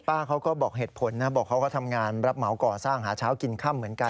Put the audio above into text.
เขาก็บอกเหตุผลนะบอกเขาก็ทำงานรับเหมาก่อสร้างหาเช้ากินค่ำเหมือนกัน